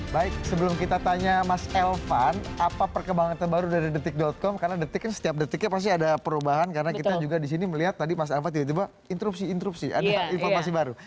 baik sebelum kita tanya mas elvan apa perkembangan terbaru dari detik com karena detik kan setiap detiknya pasti ada perubahan karena kita juga disini melihat tadi mas elvan tiba tiba interupsi interupsi ada informasi baru